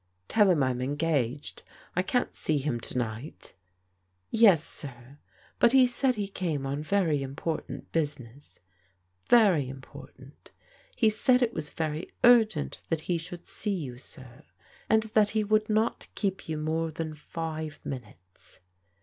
" Tell him I'm engaged. I can't see him to night." " Yes, sir, but he said he came on very important busi ness, very important. He said it was very urgent that he should see you, sir, and that he would not keep you more than five minutes."